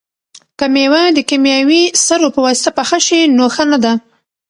که مېوه د کیمیاوي سرو په واسطه پخه شي نو ښه نه ده.